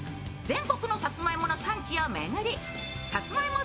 全国のさつまいもの産地を巡りさつまいも